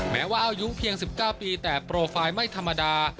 แม้ว่าอายุเพียง๑๙ปีแต่โปรไฟล์ไม่ธรรมดา